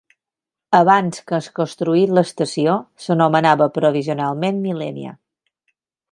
Abans que es construís l'estació, s'anomenava provisionalment Millenia.